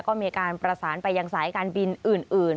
ก็มีการประสานไปยังสายการบินอื่น